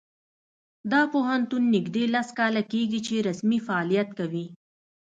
دا پوهنتون نږدې لس کاله کیږي چې رسمي فعالیت کوي